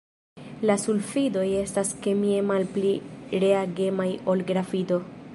La sulfidoj estas kemie malpli reagemaj ol grafito.